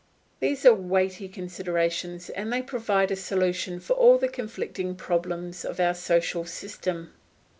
These are weighty considerations, and they provide a solution for all the conflicting problems of our social system.